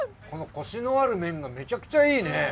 このコシのある麺がめちゃくちゃいいね。